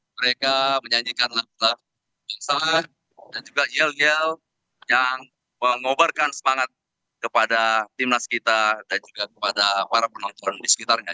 mereka menyanyikan lagu lagu pingsan dan juga yel yel yang mengobarkan semangat kepada timnas kita dan juga kepada para penonton di sekitarnya